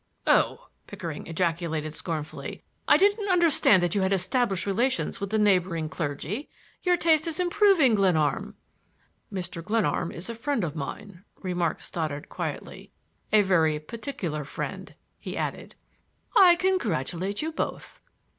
"Oh!" Pickering ejaculated scornfully. "I didn't understand that you had established relations with the neighboring clergy. Your taste is improving, Glenarm." "Mr. Glenarm is a friend of mine," remarked Stoddard quietly. "A very particular friend," he added. "I congratulate you—both."